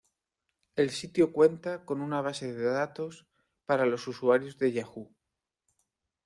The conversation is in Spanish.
El sitio cuenta con una base de datos para los usuarios de Yahoo!